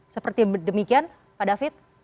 seperti demikian pak david